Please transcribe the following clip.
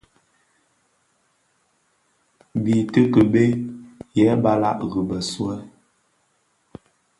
Biitiʼi kibëë yêê balàg rì biswed.